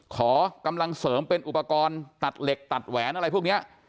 ขอกำลังเสริมเป็นอุปกรณ์ตัดเหล็กตัดแหวนอะไรพวกนี้